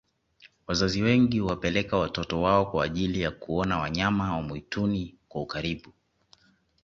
wazazi wengi huwapeleka watoto wao kwa ajiili ya kuona wanyama wa mwituni kwa ukaribu